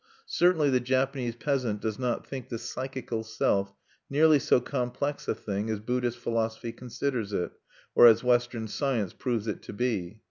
Certainly the Japanese peasant does not think the psychical Self nearly so complex a thing as Buddhist philosophy considers it, or as Western science proves it to be.